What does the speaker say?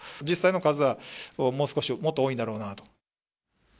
実際の数はもう少し、もっと多いんだろうなと。